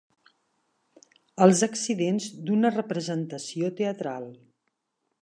Els accidents d'una representació teatral.